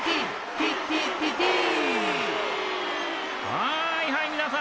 はいはいみなさん。